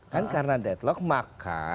kan karena deadlock maka